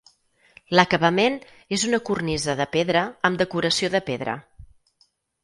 L'acabament és una cornisa de pedra amb decoració de pedra.